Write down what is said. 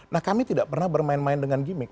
nah kami tidak pernah bermain main dengan gimmick